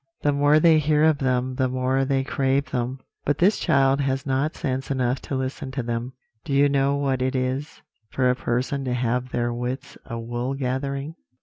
The more they hear of them the more they crave them; but this child has not sense enough to listen to them. Do you know what it is for a person to have their wits a wool gathering?